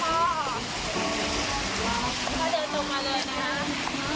ขอบคุณครับขอบคุณครับขอบคุณครับขอบคุณครับ